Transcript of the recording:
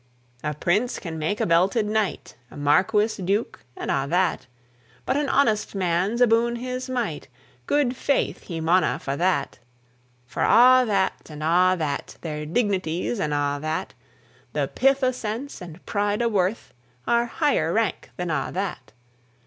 A prince can make a belted knight, A marquis, duke, and a' that; But an honest man's aboon his might. Guid faith he maunna fa' that! For a' that, and a' that, Their dignities, and a' that, The pith o' sense, and pride o' worth, Are higher rank than a' that.